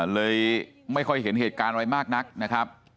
เลยไม่ค่อยเห็นเหตุการณ์อะไรมากนักนะครับ